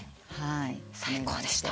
最高でした。